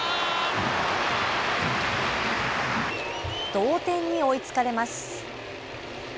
同点に追いつかれます。